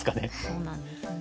そうなんですね。